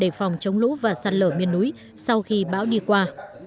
đề phòng chống lũ và sát lở miền núi sau khi bão đi qua